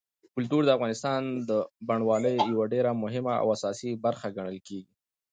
کلتور د افغانستان د بڼوالۍ یوه ډېره مهمه او اساسي برخه ګڼل کېږي.